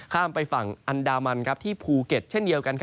ข้ามไปฝั่งอันดามันที่ภูเก็ตเช่นเดียวกัน